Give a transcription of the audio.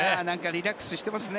リラックスしてますね。